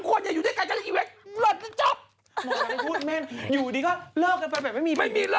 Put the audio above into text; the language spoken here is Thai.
ของอะไร